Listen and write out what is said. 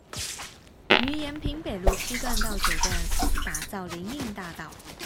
於延平北路七段到九段打造林蔭大道